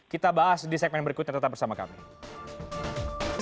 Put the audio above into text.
kita bahas di segmen berikutnya tetap bersama kami